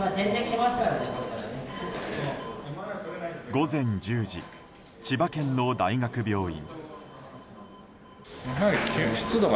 午前１０時千葉県の大学病院。